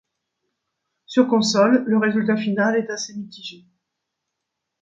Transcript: Sur console, le résultat final est assez mitigé.